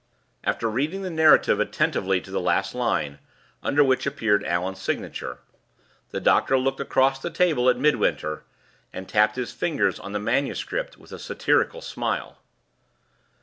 After reading the narrative attentively to the last line (under which appeared Allan's signature), the doctor looked across the breakfast table at Midwinter, and tapped his fingers on the manuscript with a satirical smile.